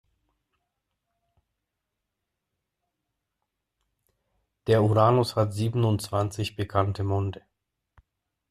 Der Uranus hat siebenundzwanzig bekannte Monde.